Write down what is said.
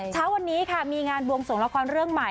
เช้าวันนี้ค่ะมีงานบวงสวงละครเรื่องใหม่